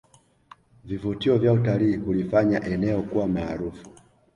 Vivutio vya utalii hulifanya eneo kuwa maarufu